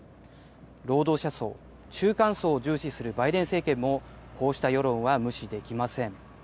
労働者層、中間層を重視するバイデン政権も、こうした世論は無視できません。